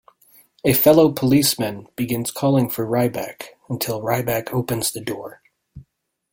A fellow policeman begins calling for Rybak until Rybak opens the door.